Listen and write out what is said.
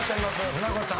船越さん。